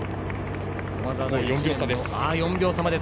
駒沢と４秒差です。